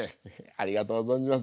ありがとう存じます。